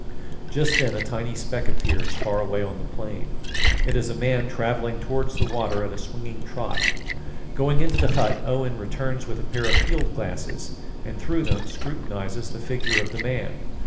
Just then a tiny speck appears far away on the plain. It is a man travelling towards the water at a swinging trot. Going into the hut, Owen returns with a pair of field glasses, and through them scrutinises the figure of the man.